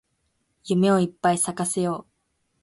夢をいっぱい咲かせよう